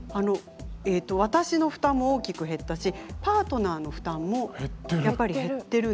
えっと私の負担も大きく減ったしパートナーの負担も。減ってる。